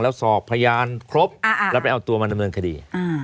แล้วสอบพยานครบแล้วไปเอาตัวมาดำเนินคดี